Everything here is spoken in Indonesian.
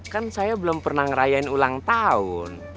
kan saya belum pernah ngerayain ulang tahun